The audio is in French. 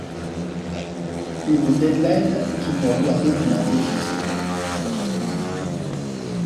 Une deadline qui me regardait comme un défi.